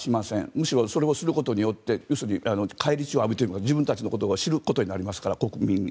むしろ、それをすることによって返り血を浴びて自分たちのことを知ることになりますから、国民が。